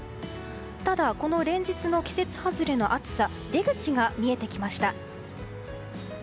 ただ、この連日の季節外れの暑さ出口が見えてきました。